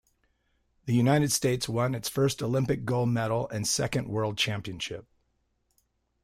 The United States won its first Olympic gold medal and second World Championship.